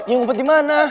ya ngumpet dimana